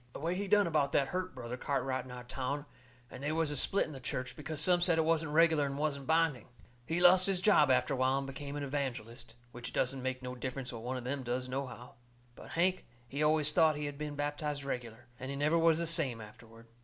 The way he done about that hurt Brother Cartwright in our town, and they was a split in the church, because some said it wasn't reg'lar and wasn't binding. He lost his job after a while and become an evangelist. Which it don't make no difference what one of them does, nohow. But Hank, he always thought he had been baptized reg'lar. And he never was the same afterward.